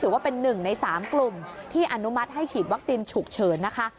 ว่าเป็น๑ใน๓กลุ่มที่อนุมัติให้ฉีดวัคซีนฉุกเฉินนะคะ